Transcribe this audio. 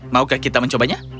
maukah kita mencobanya